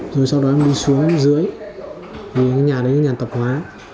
rồi sau đó em đi xuống dưới thì cái nhà đấy là nhà tập hóa